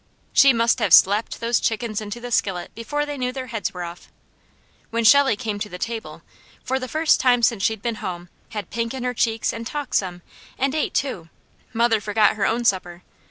She must have slapped those chickens into the skillet before they knew their heads were off. When Shelley came to the table, for the first time since she'd been home, had pink in her cheeks, and talked some, and ate too, mother forgot her own supper.